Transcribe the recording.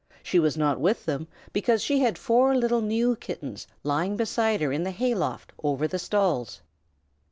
She was not with them because she had four little new Kittens lying beside her in the hay loft over the stalls.